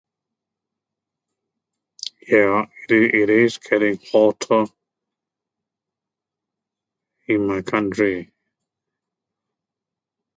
Yeah, it is it is getting hotter... in my country.